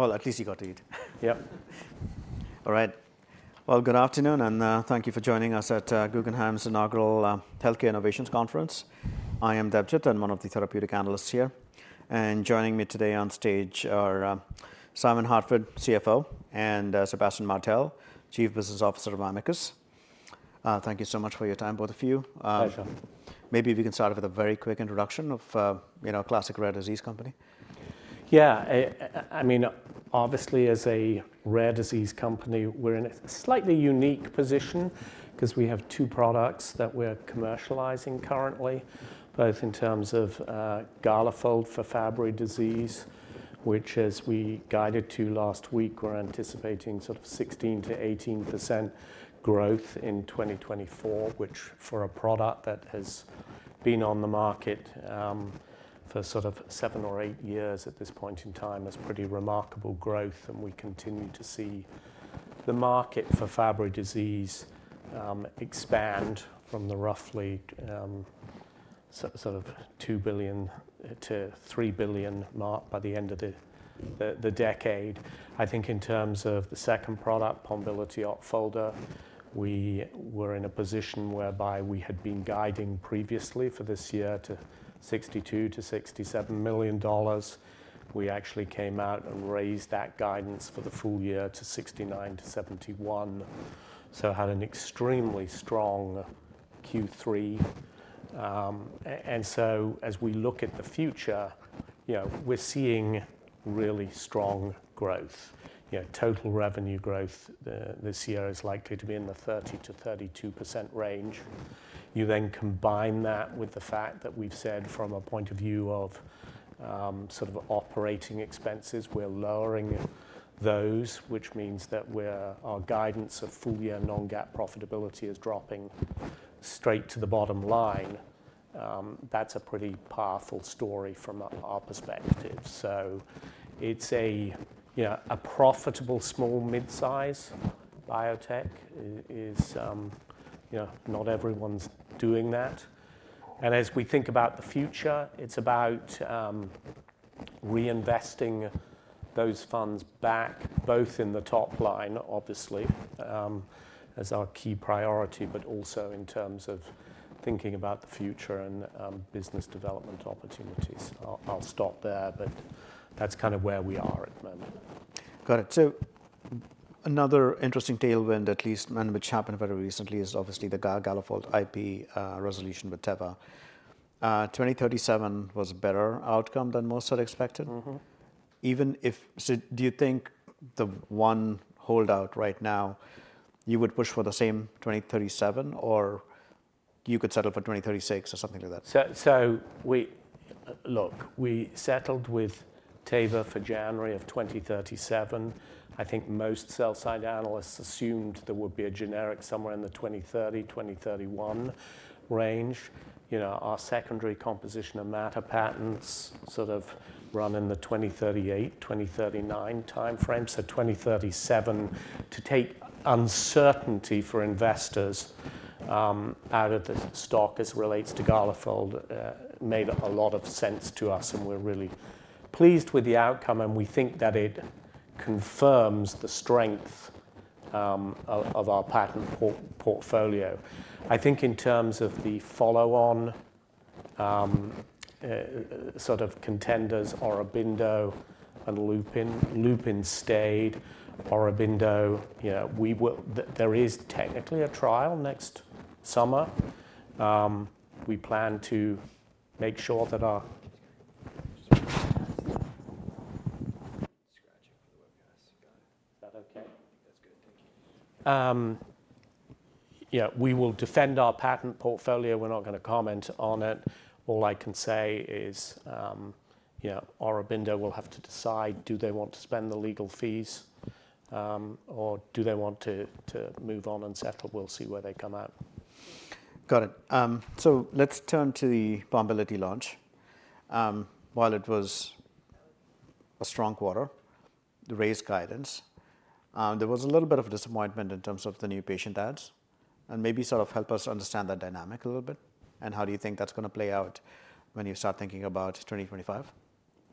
Well, at least he got eaten. Yeah. All right. Good afternoon, and thank you for joining us at Guggenheim's inaugural healthcare innovations conference. I am Debjit Chattopadhyay, one of the therapeutic analysts here. Joining me today on stage are Simon Harford, CFO, and Sébastien Martel, Chief Business Officer of Amicus. Thank you so much for your time, both of you. Pleasure. Maybe we can start with a very quick introduction of a classic rare disease company. Yeah. I mean, obviously, as a rare disease company, we're in a slightly unique position because we have two products that we're commercializing currently, both in terms of Galafold for Fabry disease, which, as we guided to last week, we're anticipating sort of 16%-18% growth in 2024, which, for a product that has been on the market for sort of seven or eight years at this point in time, is pretty remarkable growth. And we continue to see the market for Fabry disease expand from the roughly sort of $2 billion-$3 billion mark by the end of the decade. I think in terms of the second product, Pombiliti+Opfolda, we were in a position whereby we had been guiding previously for this year to $62 million-$67 million. We actually came out and raised that guidance for the full year to $69-$71, so we had an extremely strong Q3, and so as we look at the future, we're seeing really strong growth. Total revenue growth this year is likely to be in the 30%-32% range. You then combine that with the fact that we've said, from a point of view of sort of operating expenses, we're lowering those, which means that our guidance of full-year non-GAAP profitability is dropping straight to the bottom line. That's a pretty powerful story from our perspective, so it's a profitable small-mid-size biotech. Not everyone's doing that, and as we think about the future, it's about reinvesting those funds back, both in the top line, obviously, as our key priority, but also in terms of thinking about the future and business development opportunities. I'll stop there, but that's kind of where we are at the moment. Got it. So another interesting tailwind, at least, which happened very recently, is obviously the Galafold IP resolution with Teva. 2037 was a better outcome than most had expected. Mm-hmm. Do you think the one holdout right now, you would push for the same 2037, or you could settle for 2036 or something like that? So look, we settled with Teva for January of 2037. I think most sell-side analysts assumed there would be a generic somewhere in the 2030, 2031 range. Our secondary composition of matter patents sort of run in the 2038, 2039 time frame. So 2037, to take uncertainty for investors out of the stock as it relates to Galafold, made a lot of sense to us. And we're really pleased with the outcome. And we think that it confirms the strength of our patent portfolio. I think in terms of the follow-on sort of contenders, Aurobindo and Lupin stayed. Aurobindo, there is technically a trial next summer. We plan to make sure that our... Scratch it for the webcast. Is that OK? I think that's good. Yeah. We will defend our patent portfolio. We're not going to comment on it. All I can say is Aurobindo will have to decide. Do they want to spend the legal fees, or do they want to move on and settle? We'll see where they come out. Got it. So let's turn to the Pombiliti launch. While it was a strong quarter, the raised guidance, there was a little bit of disappointment in terms of the new patient adds. And maybe sort of help us understand that dynamic a little bit. And how do you think that's going to play out when you start thinking about 2025?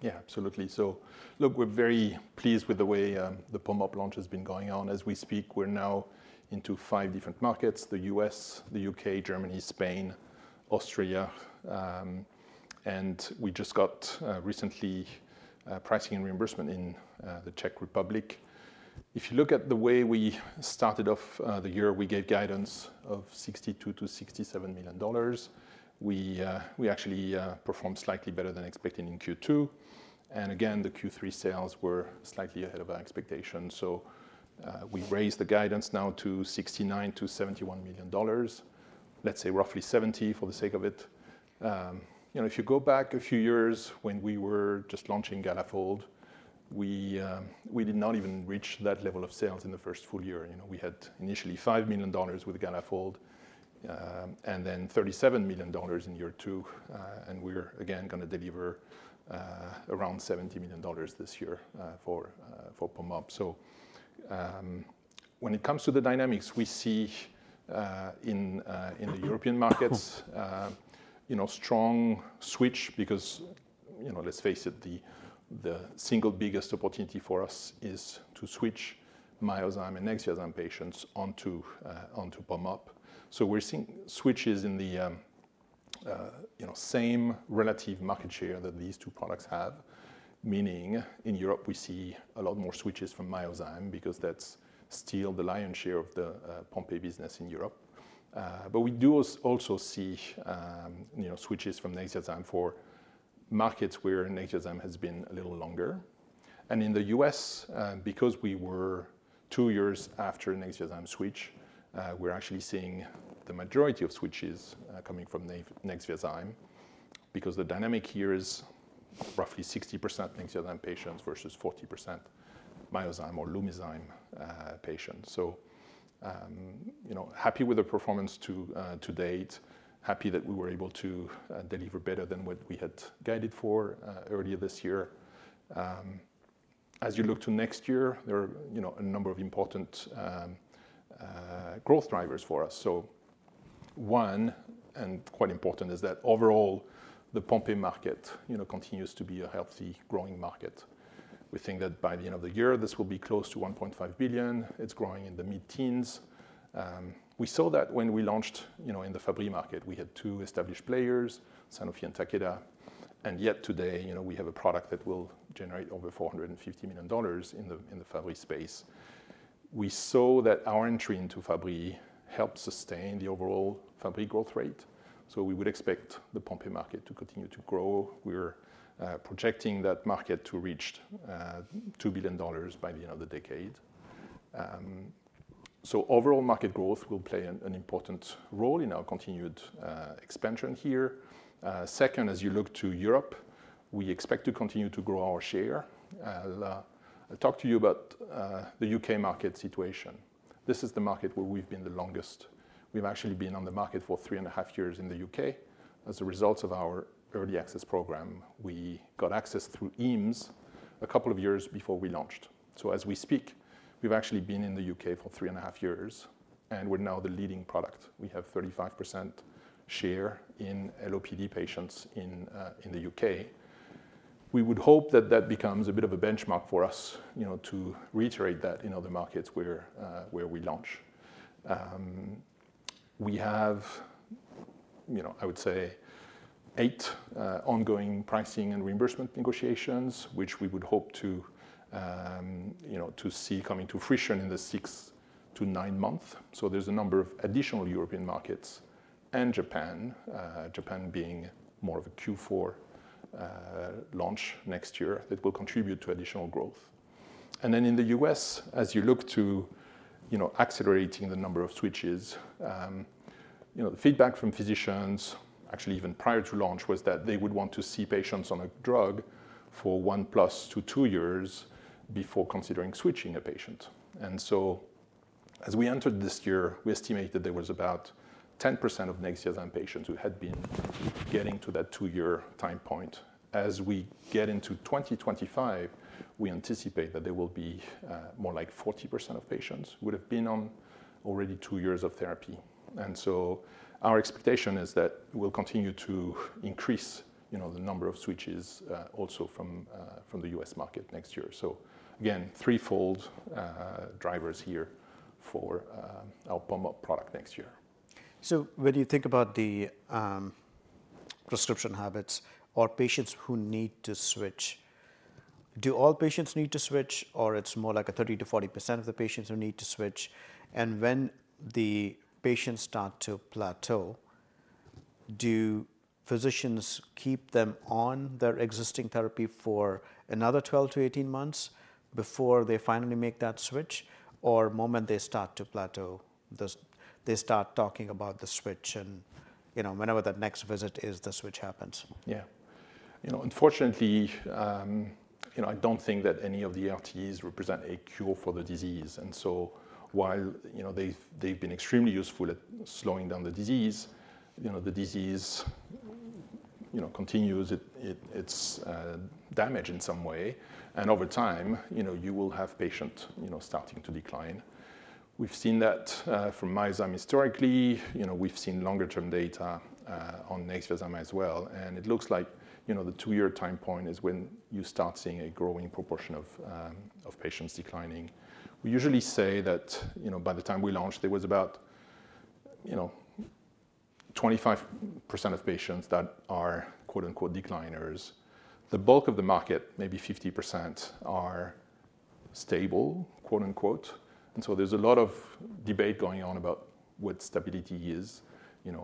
Yeah, absolutely. So look, we're very pleased with the way the POMOP launch has been going on. As we speak, we're now into five different markets: the U.S., the U.K., Germany, Spain, Austria. And we just got recently pricing and reimbursement in the Czech Republic. If you look at the way we started off the year, we gave guidance of $62 million-$67 million. We actually performed slightly better than expected in Q2. And again, the Q3 sales were slightly ahead of our expectations. So we raised the guidance now to $69 million-$71 million, let's say roughly $70 million for the sake of it. If you go back a few years when we were just launching Galafold, we did not even reach that level of sales in the first full year. We had initially $5 million with Galafold and then $37 million in year two. We're, again, going to deliver around $70 million this year for POMOP. When it comes to the dynamics, we see in the European markets a strong switch because, let's face it, the single biggest opportunity for us is to switch Myozyme and Nexviazyme patients onto POMOP. We're seeing switches in the same relative market share that these two products have, meaning in Europe, we see a lot more switches from Myozyme because that's still the lion's share of the Pompe business in Europe. We do also see switches from Nexviazyme for markets where Nexviazyme has been a little longer. In the U.S., because we were two years after Nexviazyme switch, we're actually seeing the majority of switches coming from Nexviazyme because the dynamic here is roughly 60% Nexviazyme patients versus 40% Myozyme or Lumizyme patients. So, happy with the performance to date, happy that we were able to deliver better than what we had guided for earlier this year. As you look to next year, there are a number of important growth drivers for us. So one, and quite important, is that overall, the Pompe market continues to be a healthy, growing market. We think that by the end of the year, this will be close to $1.5 billion. It's growing in the mid-teens. We saw that when we launched in the Fabry market. We had two established players, Sanofi and Takeda. And yet today, we have a product that will generate over $450 million in the Fabry space. We saw that our entry into Fabry helped sustain the overall Fabry growth rate. So we would expect the Pompe market to continue to grow. We're projecting that market to reach $2 billion by the end of the decade. So overall market growth will play an important role in our continued expansion here. Second, as you look to Europe, we expect to continue to grow our share. I'll talk to you about the U.K. market situation. This is the market where we've been the longest. We've actually been on the market for three and a half years in the U.K. As a result of our early access program, we got access through EAMS a couple of years before we launched. So as we speak, we've actually been in the U.K. for three and a half years. And we're now the leading product. We have 35% share in LOPD patients in the U.K. We would hope that that becomes a bit of a benchmark for us to reiterate that in other markets where we launch. We have, I would say, eight ongoing pricing and reimbursement negotiations, which we would hope to see coming to fruition in the six to nine months. So there's a number of additional European markets and Japan, Japan being more of a Q4 launch next year that will contribute to additional growth. And then in the U.S., as you look to accelerating the number of switches, the feedback from physicians, actually even prior to launch, was that they would want to see patients on a drug for one plus to two years before considering switching a patient. And so as we entered this year, we estimate that there was about 10% of Nexviazyme patients who had been getting to that two-year time point. As we get into 2025, we anticipate that there will be more like 40% of patients who would have been on already two years of therapy. And so our expectation is that we'll continue to increase the number of switches also from the U.S. market next year. So again, threefold drivers here for our POMOP product next year. When you think about the prescription habits or patients who need to switch, do all patients need to switch, or it's more like 30%-40% of the patients who need to switch? And when the patients start to plateau, do physicians keep them on their existing therapy for another 12-18 months before they finally make that switch? Or the moment they start to plateau, they start talking about the switch? And whenever that next visit is, the switch happens. Yeah. Unfortunately, I don't think that any of the ERTs represent a cure for the disease. And so while they've been extremely useful at slowing down the disease, the disease continues its damage in some way. And over time, you will have patients starting to decline. We've seen that from Myozyme historically. We've seen longer-term data on Nexviazyme as well. And it looks like the two-year time point is when you start seeing a growing proportion of patients declining. We usually say that by the time we launched, there was about 25% of patients that are decliners. The bulk of the market, maybe 50%, are stable, qoute on quote. And so there's a lot of debate going on about what stability is.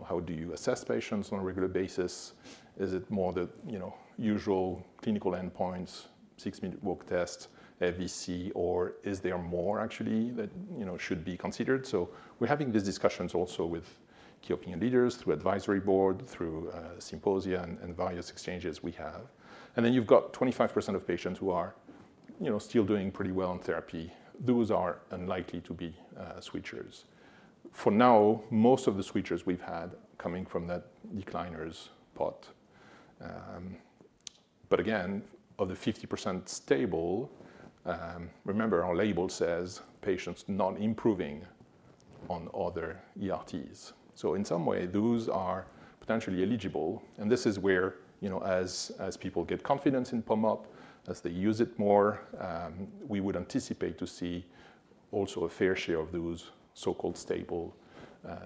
How do you assess patients on a regular basis? Is it more the usual clinical endpoints, six-minute walk test, FVC, or is there more actually that should be considered? We're having these discussions also with key opinion leaders, through advisory board, through symposia, and various exchanges we have. And then you've got 25% of patients who are still doing pretty well on therapy. Those are unlikely to be switchers. For now, most of the switchers we've had are coming from that decliners pot. But again, of the 50% stable, remember, our label says patients not improving on other ERTs. So in some way, those are potentially eligible. And this is where, as people get confidence in POMOP, as they use it more, we would anticipate to see also a fair share of those so-called stable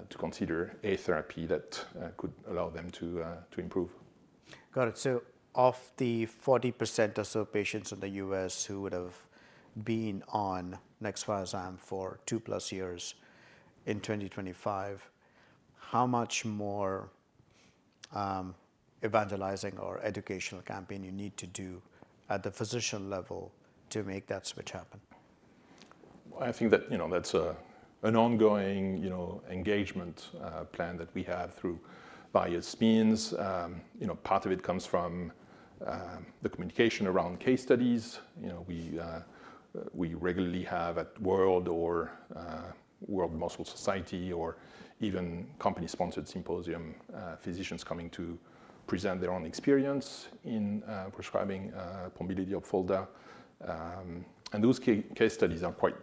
to consider a therapy that could allow them to improve. Got it. So of the 40% or so patients in the U.S. who would have been on Nexviazyme for two plus years in 2025, how much more evangelizing or educational campaign do you need to do at the physician level to make that switch happen? I think that that's an ongoing engagement plan that we have through various means. Part of it comes from the communication around case studies. We regularly have at World Muscle Society or even company-sponsored symposium physicians coming to present their own experience in prescribing Pombiliti+Opfolda. And those case studies are quite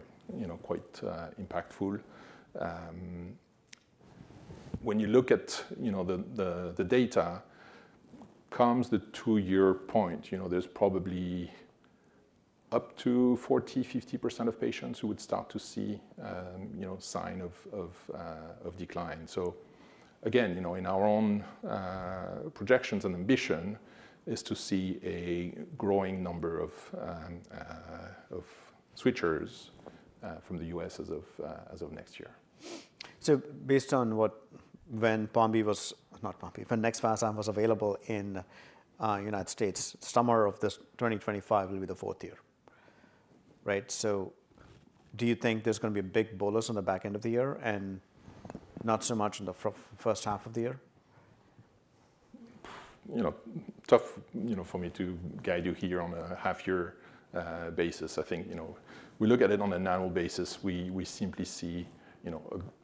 impactful. When you look at the data, comes the two-year point. There's probably up to 40%-50% of patients who would start to see signs of decline. So again, in our own projections and ambition, is to see a growing number of switchers from the US as of next year. So based on when Pombiliti was not Pombiliti when Nexviazyme was available in the United States, summer of 2025 will be the fourth year, right? So do you think there's going to be a big bolus on the back end of the year and not so much in the first half of the year? Tough for me to guide you here on a half-year basis. I think we look at it on an annual basis. We simply see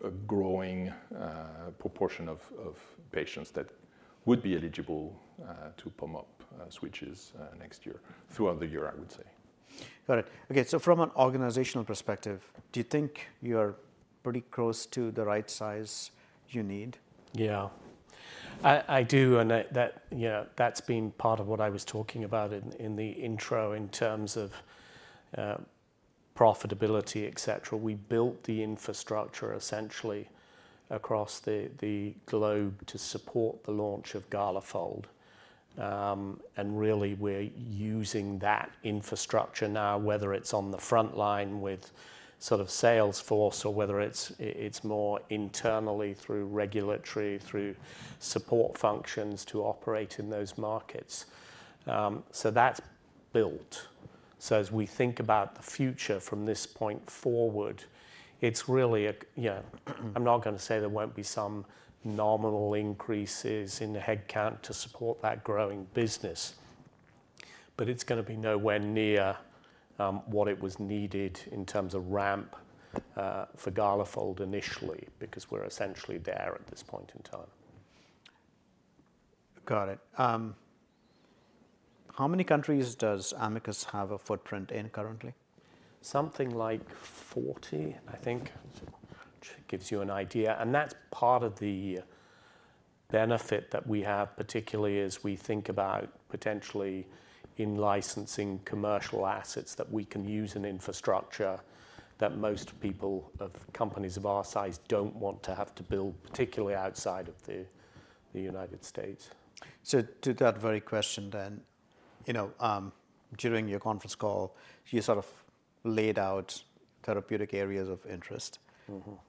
a growing proportion of patients that would be eligible to POMOP switches next year, throughout the year, I would say. Got it. OK, so from an organizational perspective, do you think you are pretty close to the right size you need? Yeah, I do. And that's been part of what I was talking about in the intro in terms of profitability, et cetera. We built the infrastructure essentially across the globe to support the launch of Galafold. And really, we're using that infrastructure now, whether it's on the front line with sort of sales force or whether it's more internally through regulatory, through support functions to operate in those markets. So that's built. So as we think about the future from this point forward, it's really I'm not going to say there won't be some nominal increases in the headcount to support that growing business. But it's going to be nowhere near what it was needed in terms of ramp for Galafold initially because we're essentially there at this point in time. Got it. How many countries does Amicus have a footprint in currently? Something like 40, I think, which gives you an idea. And that's part of the benefit that we have, particularly as we think about potentially in-licensing commercial assets that we can use in infrastructure that most companies of our size don't want to have to build, particularly outside of the United States. To that very question then, during your conference call, you sort of laid out therapeutic areas of interest.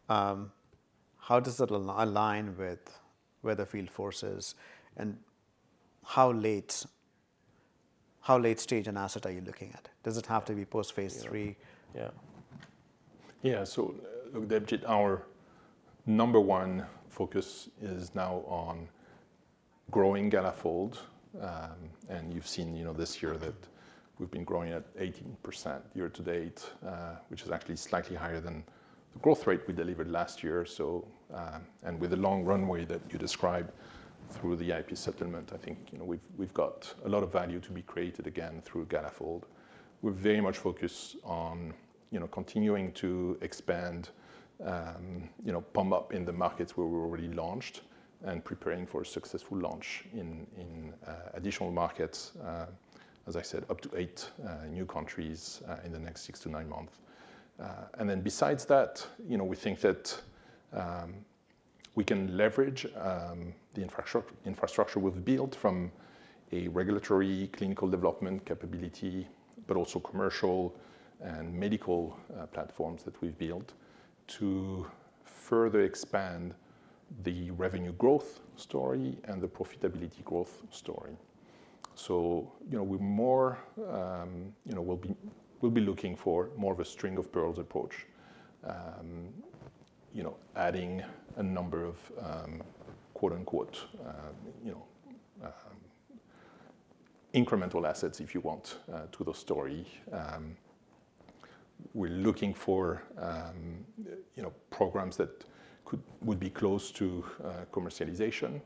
How does that align with whether field forces? And how late-stage an asset are you looking at? Does it have to be post-Phase 3? Yeah. Yeah, so look, our number one focus is now on growing Galafold. And you've seen this year that we've been growing at 18% year-to-date, which is actually slightly higher than the growth rate we delivered last year. And with the long runway that you described through the IP settlement, I think we've got a lot of value to be created again through Galafold. We're very much focused on continuing to expand POMOP in the markets where we're already launched and preparing for a successful launch in additional markets, as I said, up to eight new countries in the next six to nine months. And then besides that, we think that we can leverage the infrastructure we've built from a regulatory clinical development capability, but also commercial and medical platforms that we've built to further expand the revenue growth story and the profitability growth story. We'll be looking for more of a string of pearls approach, adding a number of quotes on quote incremental assets, if you want, to the story. We're looking for programs that would be close to commercialization.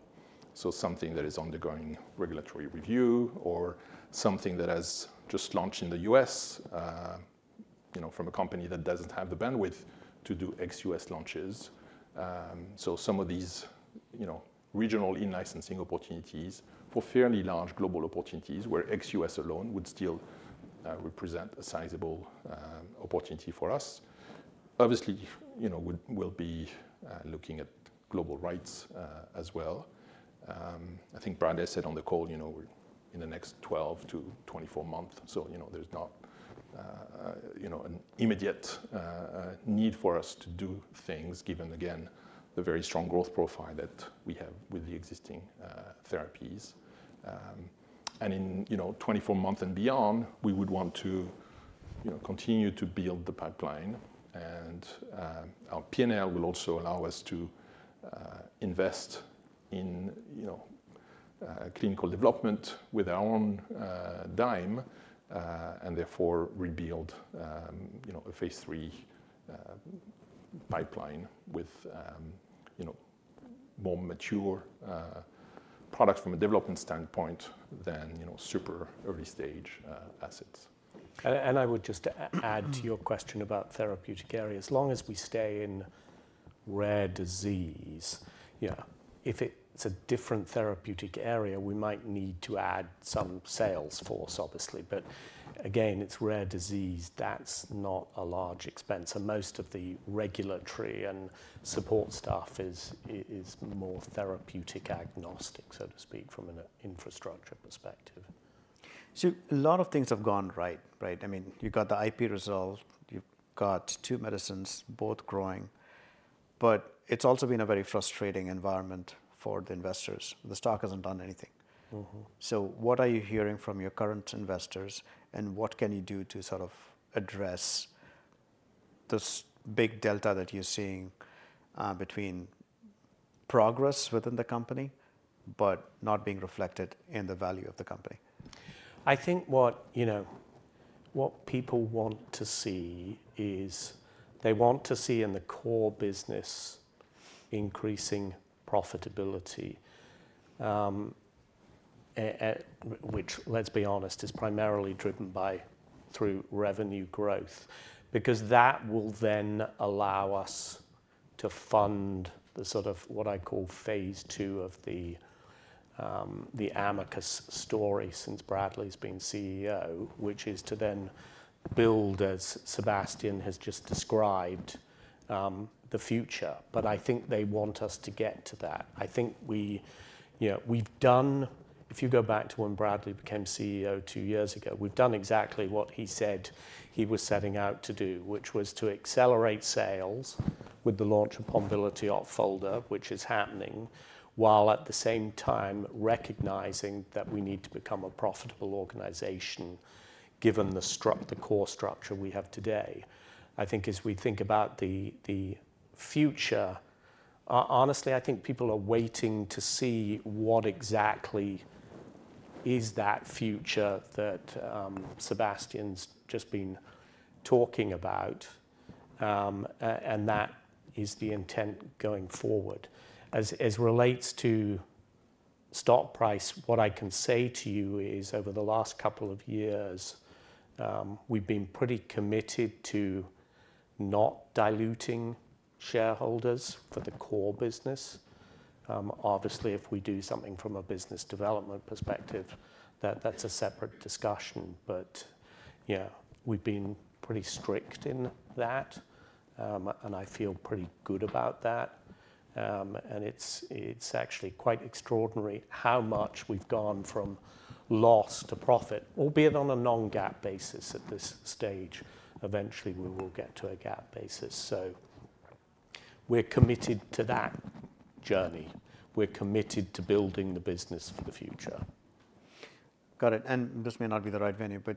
Something that is undergoing regulatory review or something that has just launched in the U.S. from a company that doesn't have the bandwidth to do ex-US launches. Some of these regional in-licensing opportunities for fairly large global opportunities where ex-US alone would still represent a sizable opportunity for us. Obviously, we'll be looking at global rights as well. I think Bradley said on the call, in the next 12-24 months, so there's not an immediate need for us to do things given, again, the very strong growth profile that we have with the existing therapies. In 24 months and beyond, we would want to continue to build the pipeline. Our P&L will also allow us to invest in clinical development on our own dime and therefore rebuild a Phase 3 pipeline with more mature products from a development standpoint than super early stage assets. And I would just add to your question about therapeutic area. As long as we stay in rare disease, if it's a different therapeutic area, we might need to add some sales force, obviously. But again, it's rare disease. That's not a large expense. And most of the regulatory and support staff is more therapeutic agnostic, so to speak, from an infrastructure perspective. So a lot of things have gone right, right? I mean, you've got the IP result. You've got two medicines, both growing. But it's also been a very frustrating environment for the investors. The stock hasn't done anything. So what are you hearing from your current investors? And what can you do to sort of address this big delta that you're seeing between progress within the company but not being reflected in the value of the company? I think what people want to see is they want to see in the core business increasing profitability, which, let's be honest, is primarily driven through revenue growth because that will then allow us to fund the sort of what I call phase two of the Amicus story since Bradley's been CEO, which is to then build, as Sébastien has just described, the future. But I think they want us to get to that. I think we've done, if you go back to when Bradley became CEO two years ago, we've done exactly what he said he was setting out to do, which was to accelerate sales with the launch of Pombiliti+Opfolda, which is happening, while at the same time recognizing that we need to become a profitable organization given the core structure we have today. I think as we think about the future, honestly, I think people are waiting to see what exactly is that future that Sébastien's just been talking about, and that is the intent going forward. As it relates to stock price, what I can say to you is over the last couple of years, we've been pretty committed to not diluting shareholders for the core business. Obviously, if we do something from a business development perspective, that's a separate discussion, but we've been pretty strict in that, and I feel pretty good about that, and it's actually quite extraordinary how much we've gone from loss to profit, albeit on a non-GAAP basis at this stage. Eventually, we will get to a GAAP basis, so we're committed to that journey. We're committed to building the business for the future. Got it. And this may not be the right venue, but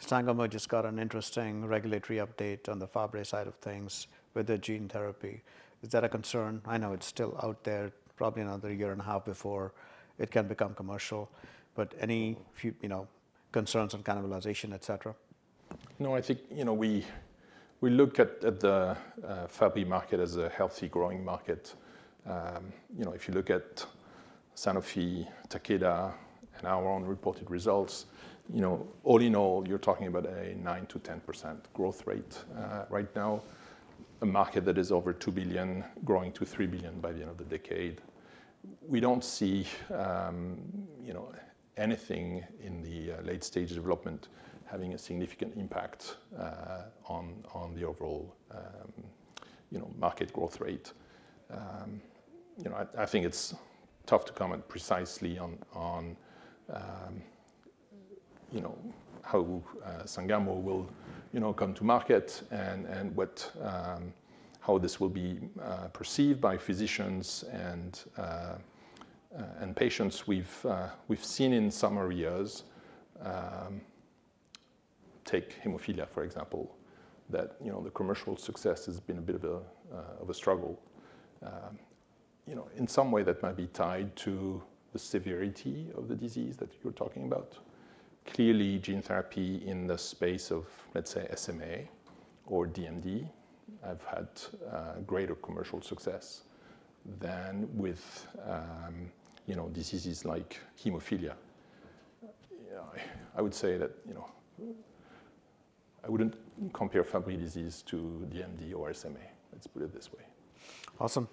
Sangamo just got an interesting regulatory update on the Fabry side of things with the gene therapy. Is that a concern? I know it's still out there, probably another year and a half before it can become commercial. But any concerns on cannibalization, et cetera? No, I think we look at the Fabry market as a healthy, growing market. If you look at Sanofi, Takeda, and our own reported results, all in all, you're talking about a 9%-10% growth rate right now, a market that is over $2 billion, growing to $3 billion by the end of the decade. We don't see anything in the late-stage development having a significant impact on the overall market growth rate. I think it's tough to comment precisely on how Sangamo will come to market and how this will be perceived by physicians and patients. We've seen in some areas, take hemophilia, for example, that the commercial success has been a bit of a struggle. In some way, that might be tied to the severity of the disease that you're talking about. Clearly, gene therapy in the space of, let's say, SMA or DMD have had greater commercial success than with diseases like hemophilia. I would say that I wouldn't compare Fabry disease to DMD or SMA, let's put it this way. Awesome.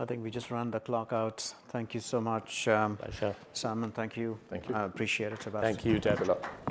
I think we just ran the clock out. Thank you so much. Pleasure. Simon, thank you. Thank you. I appreciate it, Sébastien. Thank you, Debjit.